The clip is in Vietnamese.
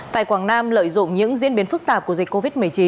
tại quảng nam lợi dụng những diễn biến phức tạp của dịch covid một mươi chín